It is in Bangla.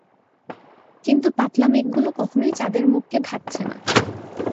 কিন্তু পাতলা মেঘগুলো কখনই চাঁদের মুখকে ঢাকছে না।